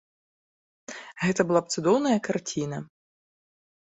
Гэта была б цудоўная карціна.